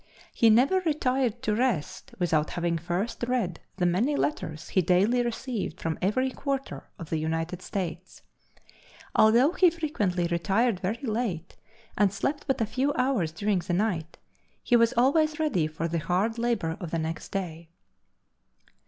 He never retired to rest without having first read the many letters he daily received from every quarter of the United States. Although he frequently retired very late and slept but a few hours during the night, he was always ready for the hard labor of the next day."